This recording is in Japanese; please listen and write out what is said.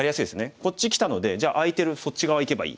こっちきたのでじゃあ空いてるそっち側いけばいい。